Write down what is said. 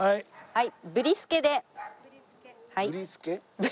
はい。